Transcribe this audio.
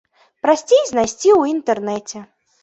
Прасцей знайсці ў інтэрнеце.